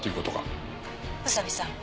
「宇佐見さん